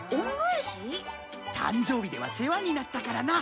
誕生日では世話になったからな。